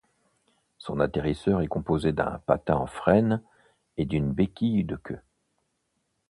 Son atterrisseur est composé d'un patin en frêne et d'une béquille de queue.